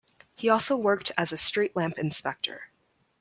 He also worked as a street lamp inspector.